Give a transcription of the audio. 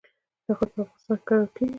نخود په افغانستان کې کرل کیږي.